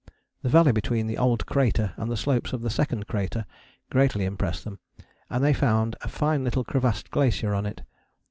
The valley between the old crater and the slopes of the second crater greatly impressed them, and they found a fine little crevassed glacier in it.